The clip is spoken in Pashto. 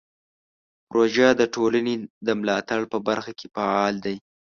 پروژه د ټولنې د ملاتړ په برخه کې فعال دی.